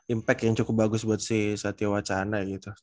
impact yang cukup bagus buat si satya wacana gitu